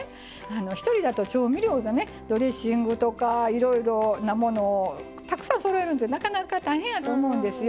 一人だと調味料がドレッシングとかいろんなものをたくさんそろえるのってなかなか大変やと思うんですよ。